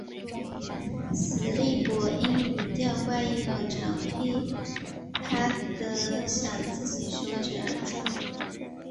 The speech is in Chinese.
史力柏因语调怪异和常劈啪地晌自己手指而著名。